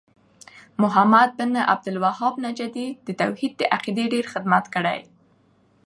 محمد بن عبد الوهاب نجدي د توحيد د عقيدې ډير خدمت کړی